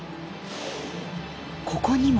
ここにも。